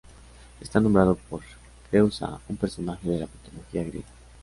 Está nombrado por Creúsa, un personaje de la mitología griega.